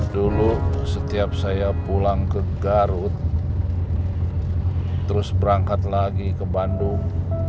dulu setiap saya pulang ke garut terus berangkat lagi ke bandung